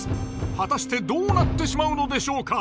果たしてどうなってしまうのでしょうか？